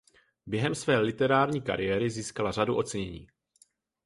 Během své literární kariéry získala řadu ocenění.